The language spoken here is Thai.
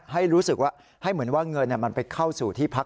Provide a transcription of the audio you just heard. ให้รู้สึกว่าให้เหมือนว่าเงินมันไปเข้าสู่ที่พัก